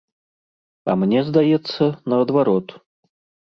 А мне здаецца, наадварот.